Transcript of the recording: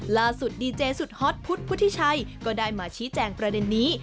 ดีเจสุดฮอตพุทธพุทธิชัยก็ได้มาชี้แจงประเด็นนี้